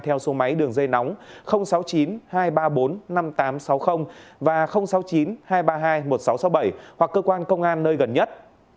theo số máy đường dây nóng sáu mươi chín hai trăm ba mươi bốn năm nghìn tám trăm sáu mươi và sáu mươi chín hai trăm ba mươi hai một nghìn sáu trăm sáu mươi bảy hoặc cơ quan công an nơi gần nhất